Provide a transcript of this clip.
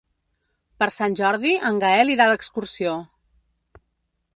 Per Sant Jordi en Gaël irà d'excursió.